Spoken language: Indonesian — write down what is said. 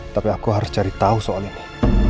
tapi aku harus cari tahu soal ini